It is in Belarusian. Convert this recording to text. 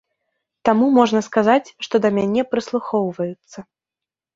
Таму можна сказаць, што да мяне прыслухоўваюцца.